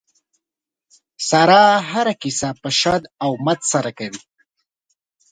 ساره هره کیسه په شد او مد سره کوي.